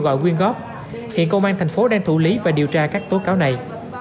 gọi quyên góp hiện công an tp hcm đang thủ lý và điều tra các tố cáo này